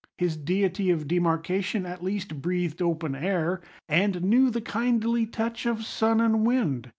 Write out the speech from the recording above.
His deity of demarcation at least breathed open air, and knew the kindly touch of sun and wind.